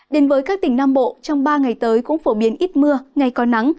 đến với các tỉnh nam bộ trong ba ngày tới cũng phổ biến ít mưa ngày có nắng